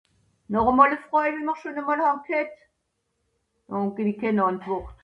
noch è so fröj